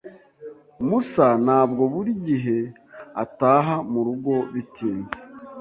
Musa ntabwo buri gihe ataha murugo bitinze.